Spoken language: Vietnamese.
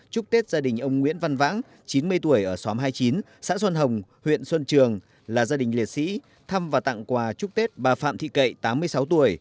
chúc tết gia đình ông nguyễn văn vãng chín mươi tuổi ở xóm hai mươi chín xã xuân hồng huyện xuân trường là gia đình liệt sĩ thăm và tặng quà chúc tết bà phạm thị kệ tám mươi sáu tuổi